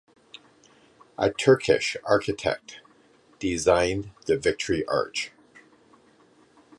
A Turkish architect designed the victory arch.